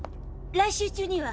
来週中には。